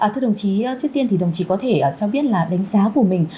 thưa đồng chí trước tiên thì đồng chí có thể cho biết là đánh giá của mình